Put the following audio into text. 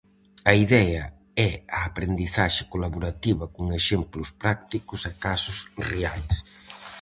A idea é a aprendizaxe colaborativa con exemplos prácticos e casos reais.